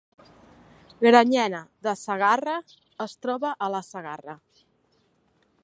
Granyena de Segarra es troba a la Segarra